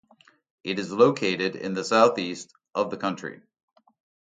It is located in the south-east of the country.